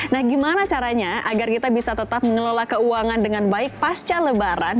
nah gimana caranya agar kita bisa tetap mengelola keuangan dengan baik pasca lebaran